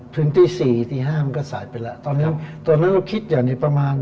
ถึงตี๔๕มันก็สายไปแล้วตอนนั้นต้องคิดอย่างในประมาณ